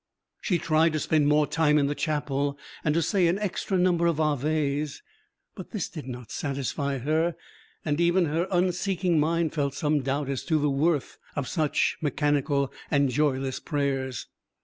She tried to spend more time in the chapel and to say an extra number of Aves; but this did not satisfy her, and even her unseeking mind felt some doubt as to the worth of such mechanical and joyless prayers.